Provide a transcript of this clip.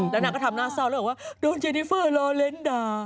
แล้วนางก็ทำหน้าเศร้าแล้วบอกว่าโดนเจดิเฟอร์โลเลนส์ด่า